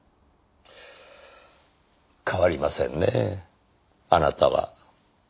変わりませんねぇあなたは。